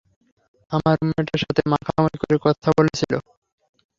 আমার রুম-মেটের সাথে মাখামাখি করে কথা বলছিলে।